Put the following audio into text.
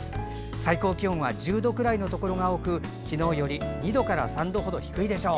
最高気温は１０度くらいのところが多く昨日より２度から３度程低いでしょう。